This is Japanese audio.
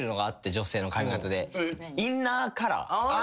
女性の髪形で。